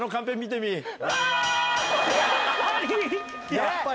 やっぱり。